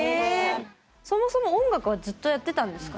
そもそも音楽はずっとやってたんですか？